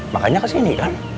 makanya kesini kan